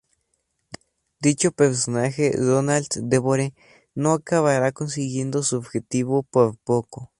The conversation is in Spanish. Dicho personaje, Ronald DeVore, no acabará consiguiendo su objetivo por poco.